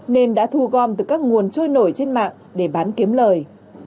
nên đã thu gom từ các nguồn trôi nổi trên mạng để bán kiếm lời